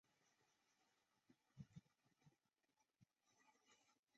卡特曼则因为太晚到商店而没买所以羡慕着阿尼。